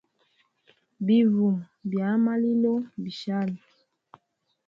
Bivuma bya a malilo mbishali.